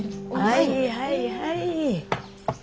はいはいはい。